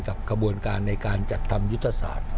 กระบวนการในการจัดทำยุทธศาสตร์